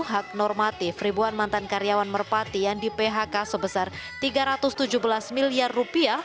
hak normatif ribuan mantan karyawan merpati yang di phk sebesar tiga ratus tujuh belas miliar rupiah